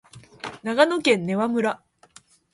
長野県根羽村